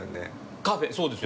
カフェそうですよ。